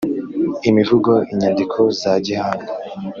imivugo, inyandiko za gihanga